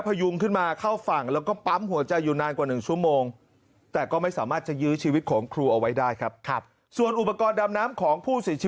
พยุงขึ้นมาเข้าฝั่งแล้วก็ปั๊มหัวใจอยู่นานกว่า๑ชั่วโมง